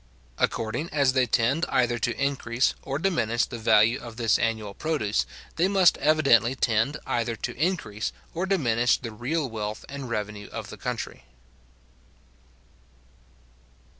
According as they tend either to increase or diminish the value of this annual produce, they must evidently tend either to increase or diminish the real wealth and revenue of the country.